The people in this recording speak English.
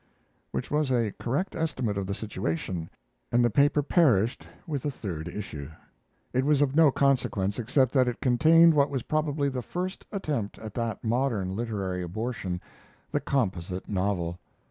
Which was a correct estimate of the situation, and the paper perished with the third issue. It was of no consequence except that it contained what was probably the first attempt at that modern literary abortion, the composite novel.